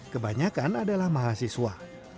kebanyakan adalah mahasiswa